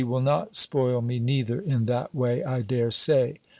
will not spoil me neither in that way, I dare say!